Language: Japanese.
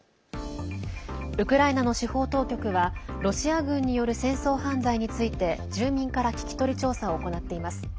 ウクライナの司法当局はロシア軍による戦争犯罪について住民から聞き取り調査を行っています。